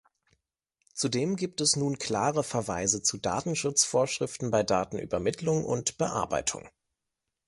Zudem gibt es nun klare Verweise zu Datenschutzvorschriften bei Datenübermittlung und -bearbeitung.